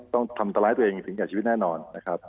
ต้องทำตลายตัวเองถึงกับชีวิตแน่นอน